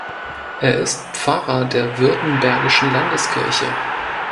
Er ist Pfarrer der Württembergischen Landeskirche.